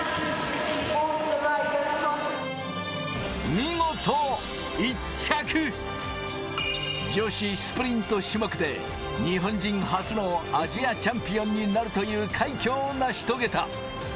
見事、１着！女子スプリント種目で日本人初のアジアチャンピオンになるという快挙を成し遂げた。